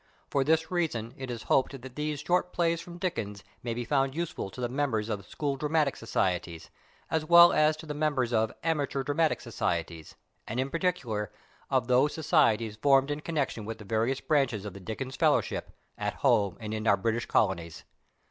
For this reason it is hoped that these " Short Plays from Dickens " may be found useful to the members of School Dramatic Socie ties, as well as to the members of Amateur Dramatic Societies, and, in particular, of those Societies forfhed in connection with the various Branches of the Dickens Fellow ship, at home and in our British Colonies.